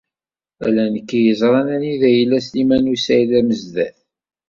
Ala nekk i yeẓran anida yella Sliman u Saɛid Amezdat.